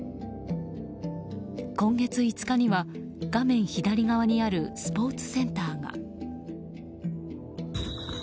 今月５日には画面左側にあるスポーツセンターが。